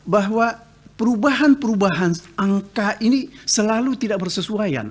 bahwa perubahan perubahan angka ini selalu tidak bersesuaian